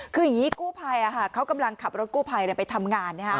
คืออย่างนี้กู้ภัยเขากำลังขับรถกู้ภัยไปทำงาน